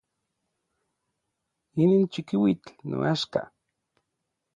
Inin chikiuitl noaxka.